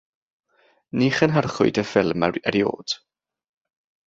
Ni chynhyrchwyd y ffilm erioed.